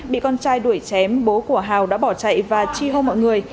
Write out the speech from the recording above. bị con trai đuổi chém bố của hào đã bỏ chạy và chi hô mọi người